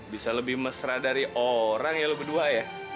bisa lebih mesra dari orang ya lebih berdua ya